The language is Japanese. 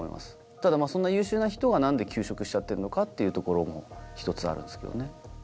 ただそんな優秀な人が何で休職しちゃってんのかっていうところも１つあるんですけどね。